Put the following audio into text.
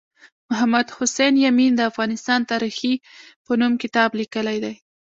محمد حسین یمین د افغانستان تاریخي په نوم کتاب لیکلی دی